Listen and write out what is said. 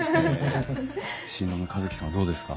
新郎の一樹さんはどうですか？